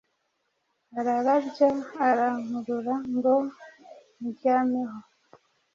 ararambya arankurura ngo muryameho!